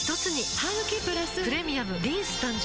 ハグキプラス「プレミアムリンス」誕生